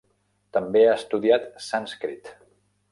També ha estudiat sànscrit.